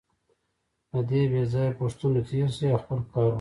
له دې بېځایه پوښتنو تېر شئ او خپل کار.